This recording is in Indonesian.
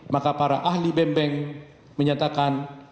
maka para ahli bembeng menyatakan